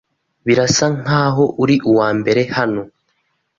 Birasa nkaho uri uwambere hano.